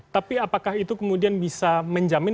tapi apakah itu kemudian bisa menjamin